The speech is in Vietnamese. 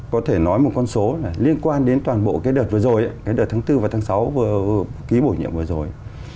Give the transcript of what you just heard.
có thể nói một con số liên quan đến toàn bộ cái đợt vừa rồi cái đợt tháng bốn và tháng sáu ký bổ nhiệm vừa rồi